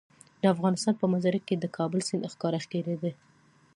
د افغانستان په منظره کې د کابل سیند ښکاره ښکاري.